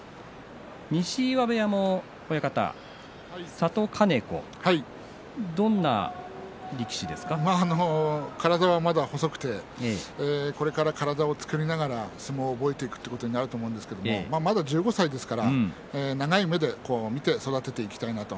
西岩部屋の里金子体はまだ細くてこれから体を作りながら相撲を覚えていくということになると思うんですけれどまだ１５歳ですから長い目で見て育てていきたいなと。